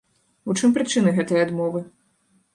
У чым прычыны гэтай адмовы?